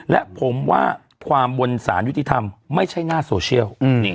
และผมว่าความบนสารยุติธรรมไม่ใช่หน้าโซเชียล